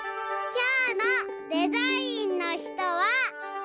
きょうのデザインの人は。